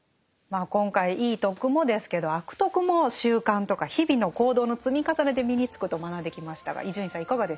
今回いい「徳」もですけど「悪徳」も習慣とか日々の行動の積み重ねで身につくと学んできましたが伊集院さんいかがでしたか？